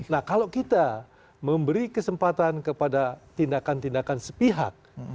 nah kalau kita memberi kesempatan kepada tindakan tindakan sepihak